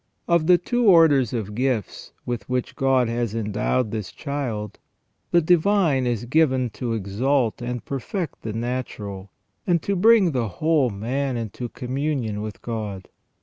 Of the two orders of gifts with which God has endowed this child, the divine is given to exalt and perfect the natural, and to bring the whole man into communion with God.